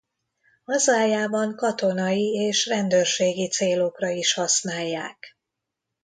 Hazájában katonai és rendőrségi célokra is használják.